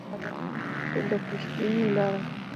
سهار د خوشبینۍ لاره ده.